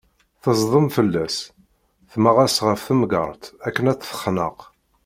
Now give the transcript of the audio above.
Teẓdem fella-s, temmeɣ-as ɣef temgerṭ akken a tt-texneq.